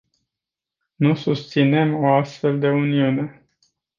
Nu susținem o astfel de uniune.